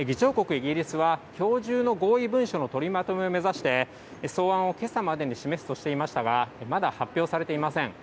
イギリスは、きょう中の合意文書の取りまとめを目指して、草案をけさまでに示すとしていましたが、まだ発表されていません。